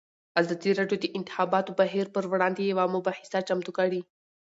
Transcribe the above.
ازادي راډیو د د انتخاباتو بهیر پر وړاندې یوه مباحثه چمتو کړې.